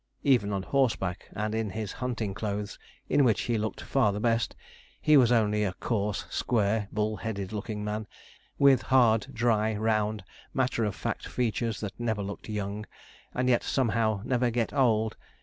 Even on horseback, and in his hunting clothes, in which he looked far the best, he was only a coarse, square, bull headed looking man, with hard, dry, round, matter of fact features, that never looked young, and yet somehow never get old.